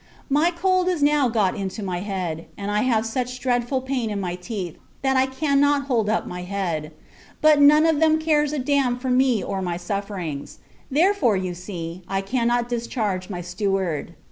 My cold is now got into my head; and I have such dreadful pain in my teeth, that I cannot hold up my head: but none of them cares a damn for me or my sufferings; therefore, you see, I cannot discharge my steward.